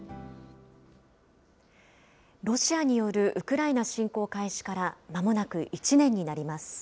ロシアによるウクライナ侵攻開始から、まもなく１年になります。